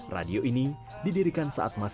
radio ini didirikan saat masa